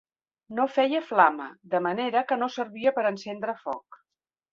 No feia flama, de manera que no servia per encendre foc.